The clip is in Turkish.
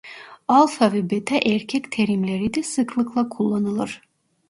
Alfa ve beta erkek terimleri de sıklıkla kullanılır.